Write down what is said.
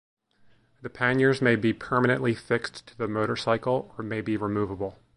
The panniers may be permanently fixed to the motorcycle or may be removable.